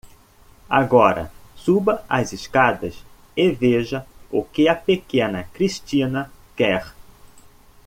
Agora suba as escadas e veja o que a pequena Christina quer.